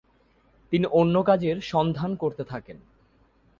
তিনি অন্য কাজের সন্ধান করতে থাকেন।